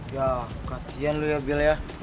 ya kasian lu ya bill ya